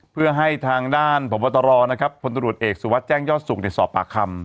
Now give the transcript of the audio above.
เพื่อให้ทางด้านพบตรนะครับพลตรวจเอกสุวัสดิแจ้งยอดสุขสอบปากคำ